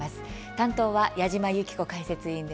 担当は矢島ゆき子解説委員です。